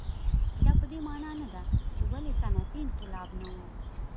دا په دې معنا نه ده چې ولې صنعتي انقلاب نه و.